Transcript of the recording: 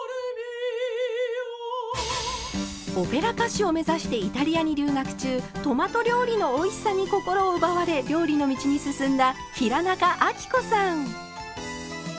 オペラ歌手を目指してイタリアに留学中トマト料理のおいしさに心を奪われ料理の道に進んだ平仲亜貴子さん。